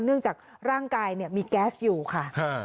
เนื่องจากร่างกายเนี่ยมีแก๊สอยู่ค่ะ